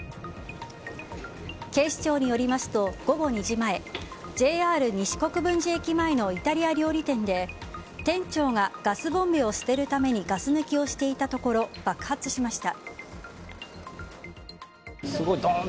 警視庁によりますと午後２時前ＪＲ西国分寺駅前のイタリア料理店で店長がガスボンベを捨てるためにガス抜きをしていたところ爆発しました。